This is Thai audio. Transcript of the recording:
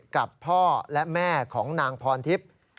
กับพ่อและแม่ของนางพรทิพย์